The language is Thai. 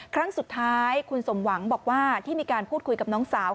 ครั้งสุดท้ายคุณสมหวังบอกว่าที่มีการพูดคุยกับน้องสาว